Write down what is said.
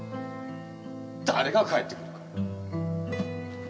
誰が帰ってくるか。